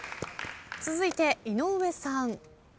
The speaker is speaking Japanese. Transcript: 続いて井上さん。